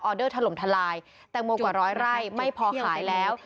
เดอร์ถล่มทลายแตงโมกว่าร้อยไร่ไม่พอขายแล้ว